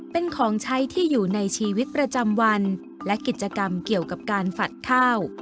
เป็นของใช้ที่อยู่ในชีวิตประจำวันและกิจกรรมเกี่ยวกับการฝัดข้าว